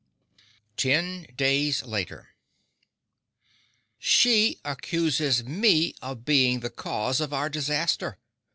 Ten Days Later She accuses me of being the cause of our disaster!